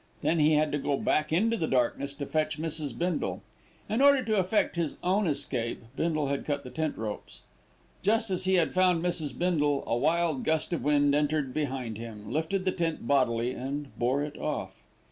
Then he had to go back into the darkness to fetch Mrs. Bindle. In order to effect his own escape, Bindle had cut the tent ropes. Just as he had found Mrs. Bindle, a wild gust of wind entered behind him, lifted the tent bodily and bore it off.